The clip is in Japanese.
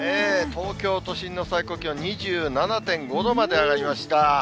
東京都心の最高気温２７．５度まで上がりました。